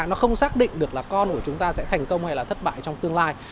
nó không xác định được là con của chúng ta sẽ thành công hay là thất bại trong tương lai